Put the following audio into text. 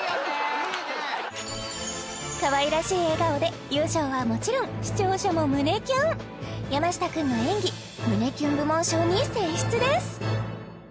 かわいらしい笑顔で優勝はもちろん視聴者も胸キュン山下君の演技胸キュン部門賞に選出です